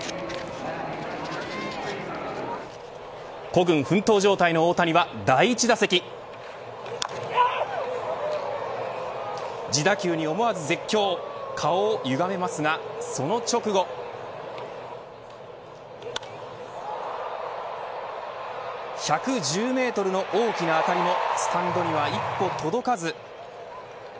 孤軍奮闘状態の大谷は第１打席自打球に思わず絶叫顔をゆがめますが、その直後１１０メートルの大きな当たりもスタンドには一歩届かず。